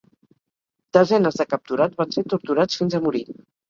Desenes de capturats van ser torturats fins a morir.